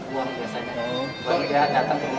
baru dia datang ke rumah saya untuk meminta bantuan sampai lahir